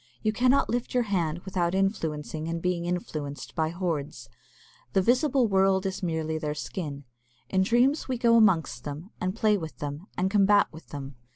You cannot lift your hand without influencing and being influenced by hoards. The visible world is merely their skin. In dreams we go amongst them, and play with them, and combat with them.